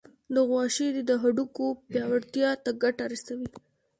د غوا شیدې د هډوکو پیاوړتیا ته ګټه رسوي.